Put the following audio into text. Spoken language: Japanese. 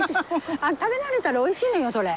食べ慣れたらおいしいのよそれ。